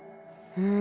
うん。